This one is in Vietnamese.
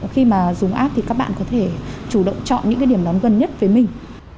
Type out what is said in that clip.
khi mà dùng app thì các bạn có thể chủ động chọn những cái điểm đón gần nhất với mình